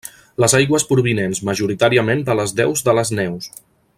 Les aigües provinents majoritàriament de les deus de les neus.